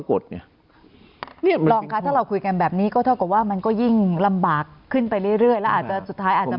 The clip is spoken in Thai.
ครับถ้าเราคุยกันแบบนี้ก็มันก็ยิ่งลำบากขึ้นไปเรื่อย